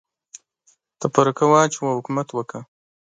تفرقه واچوه ، حکومت وکړه.